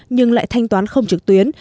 nhưng lại thanh toán không trực tuyến